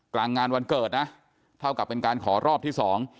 กลางงานวันเกิดนะเท่ากับเป็นการขอรอบที่สอง